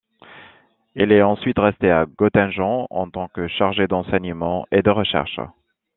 Il est ensuite resté à Göttingen en tant que chargé d'enseignement et de recherches.